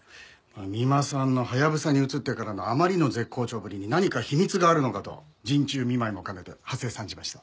三馬さんのハヤブサに移ってからのあまりの絶好調ぶりに何か秘密があるのかと陣中見舞いも兼ねてはせ参じました。